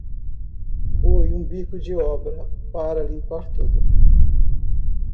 Foi um bico de obra para limpar tudo.